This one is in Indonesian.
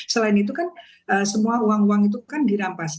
selain itu kan semua uang uang itu kan dirampas